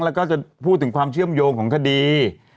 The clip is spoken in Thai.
แล้วก็จะพูดถึงความเชื่อมโยงของคดี